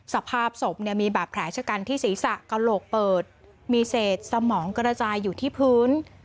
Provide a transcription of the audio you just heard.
สภาพศพเนี่ยมีบาดแผลชะกันที่ศีรษะกระโหลกเปิดมีเศษสมองกระจายอยู่ที่พื้น